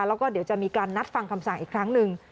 แล้วก็เดี๋ยวจะมีการนัดฟังคำสั่งอีกครั้งหนึ่ง